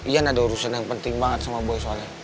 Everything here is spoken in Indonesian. iya ada urusan yang penting banget sama boy soalnya